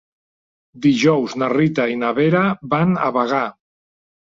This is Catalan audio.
Dijous na Rita i na Vera van a Bagà.